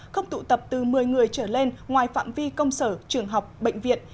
không tụ tập từ một mươi người trở lên ngoài phạm vi công sở trường học bệnh viện